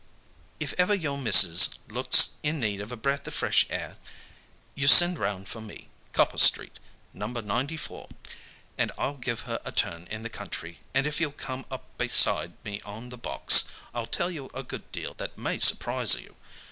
If ever your missus looks in need of a breath of fresh air you send round for me Copper Street, number ninety four and I'll give her a turn into the country, and if you'll come up beside me on the box, I'll tell you a good deal that may surprise you.